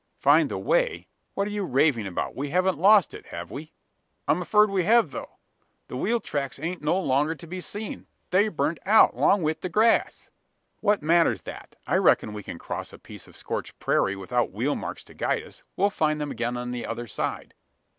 "Find the way! What are you raving about? We haven't lost it have we?" "I'm afeerd we hev, though. The wheel tracks ain't no longer to be seen. They're burnt out, along wi' the grass." "What matters that? I reckon we can cross a piece of scorched prairie, without wheel marks to guide us? We'll find them again on the other side."